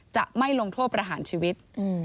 จะไม่ลงโทษประหารชีวิต